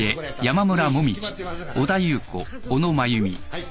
はい！